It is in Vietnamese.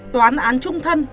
toán án trung thân